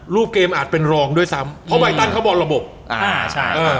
รูปเกมอาจเป็นรองด้วยซ้ำเพราะใบตันเขาบอลระบบอ่าอ่าใช่เออ